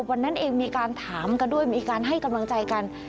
วันนั้นเองมีการถามกันด้วยมีการให้กำลังใจกัน